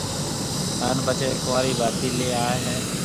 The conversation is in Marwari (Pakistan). ھان پڇيَ ڪنورِي ڀاتِي ليا ھيََََ